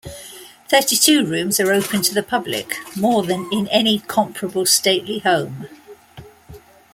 Thirty-two rooms are open to the public, more than in any comparable stately home.